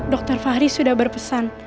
dokter fahri sudah berpesan